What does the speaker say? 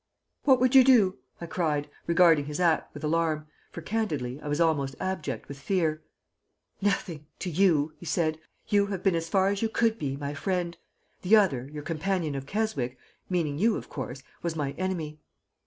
"'What would you do?' I cried, regarding his act with alarm, for, candidly, I was almost abject with fear. "'Nothing to you!' he said. 'You have been as far as you could be my friend. The other, your companion of Keswick' meaning you, of course 'was my enemy.'